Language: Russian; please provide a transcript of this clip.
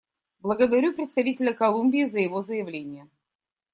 Благодарю представителя Колумбии за его заявление.